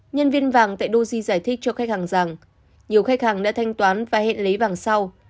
nhân viên vàng tại doji giải thích cho khách hàng rằng nhiều khách hàng đã thanh toán và hẹn lấy vàng sau